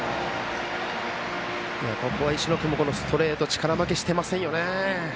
ここは石野君のストレート力負けしていませんよね。